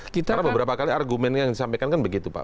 karena beberapa kali argumen yang disampaikan kan begitu pak